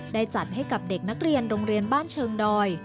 จัดให้กับเด็กนักเรียนโรงเรียนบ้านเชิงดอย